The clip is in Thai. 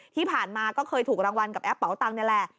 ที่ผ่านมาก็เคยถูกรางวัลกับแอปเป๋าตังค์นี่แหละ